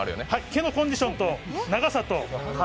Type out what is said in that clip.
毛のコンディションと長さと。